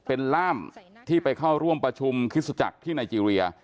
เป็นล่ามที่ไปเข้าร่วมประชุมคริสตจักรที่ไนเจรีย